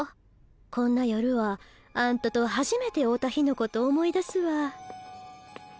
こんな夜はあんたと初めて会うた日のことを思い出すわ。